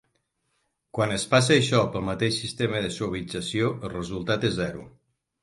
Quan es passa això pel mateix sistema de suavització, el resultat és zero.